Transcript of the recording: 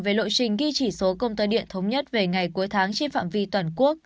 về lộ trình ghi chỉ số công tơ điện thống nhất về ngày cuối tháng trên phạm vi toàn quốc